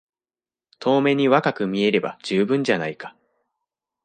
遠目に若く見えれば充分じゃないか。